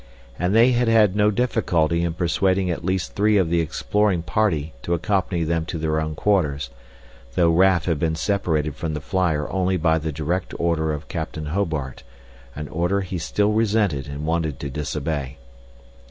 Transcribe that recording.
And they had had no difficulty in persuading at least three of the exploring party to accompany them to their own quarters, though Raf had been separated from the flyer only by the direct order of Captain Hobart, an order he still resented and wanted to disobey.